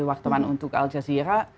wartawan untuk aljazeera